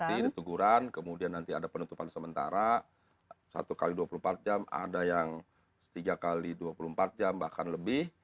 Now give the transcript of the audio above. nanti ini teguran kemudian nanti ada penutupan sementara satu x dua puluh empat jam ada yang tiga x dua puluh empat jam bahkan lebih